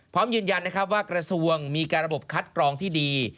พร้อมยืนยันนะครับว่ากระทรวงมีการระบบคัดกรองที่ดี